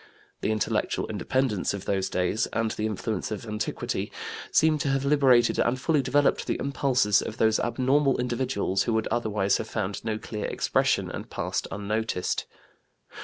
The intellectual independence of those days and the influence of antiquity seem to have liberated and fully developed the impulses of those abnormal individuals who would otherwise have found no clear expression, and passed unnoticed.